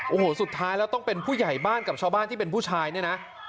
โอ้โหสุดท้ายแล้วต้องเป็นผู้ใหญ่บ้านกับชาวบ้านที่เป็นผู้ชายเนี่ยนะ